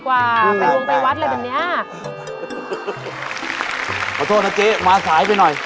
ขอโทษนะเจ๊มาสายไปหน่อย